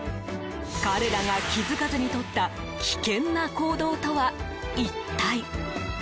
彼らが気付かずにとった危険な行動とは、一体？